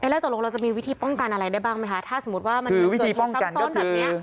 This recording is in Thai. แล้วตกลงเราจะมีวิธีป้องกันอะไรได้บ้างไหมคะถ้าสมมติวิธีป้องกันก็คือ